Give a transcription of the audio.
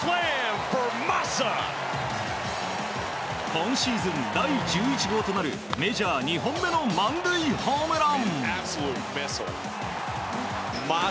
今シーズン第１１号となるメジャー２本目の満塁ホームラン。